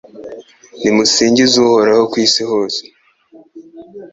Nimusingize Uhoraho ku isi hose